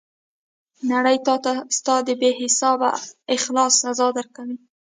نړۍ تاته ستا د بې حسابه اخلاص سزا درکوي.